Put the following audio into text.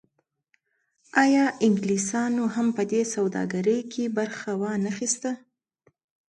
آیا انګلیسانو هم په دې سوداګرۍ کې برخه ونه اخیسته؟